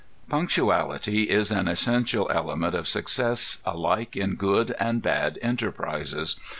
Punctuality is an essential element of success alike in good and bad enterprises.